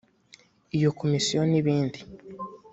iyo komisiyo n ibindi